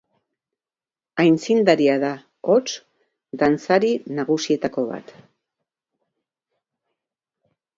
Aitzindaria da, hots, dantzari nagusietako bat.